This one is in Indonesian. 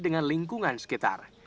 dengan lingkungan sekitar